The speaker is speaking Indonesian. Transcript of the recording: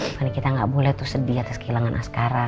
bukannya kita gak boleh tuh sedih atas kehilangan askara